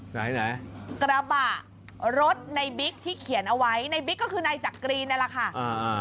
ไหนไหนกระบะรถในบิ๊กที่เขียนเอาไว้ในบิ๊กก็คือนายจักรีนนั่นแหละค่ะอ่า